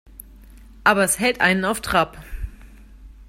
Aber es hält einen auf Trab.